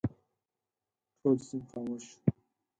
ټول صنف خاموش شو.